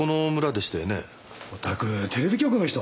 おたくテレビ局の人？